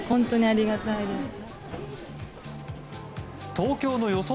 東京の予想